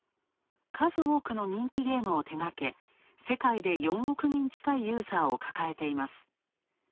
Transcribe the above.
数多くの人気ゲームを手がけ、世界で４億人近いユーザーを抱えています。